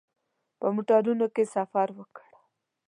په موټرونو کې سفر وکړ.